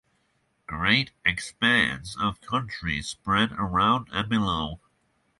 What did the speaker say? Great expanse of country spread around and below.